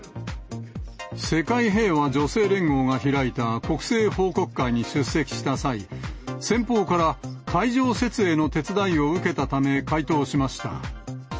世界平和女性連合が開いた国政報告会に出席した際、先方から会場設営の手伝いを受けたため、回答しました。